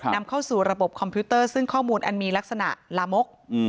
นำเข้าสู่ระบบคอมพิวเตอร์ซึ่งข้อมูลอันมีลักษณะลามก